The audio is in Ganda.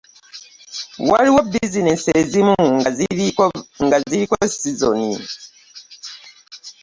Waliwo bizineesi ezimu nga ziriko sizoni.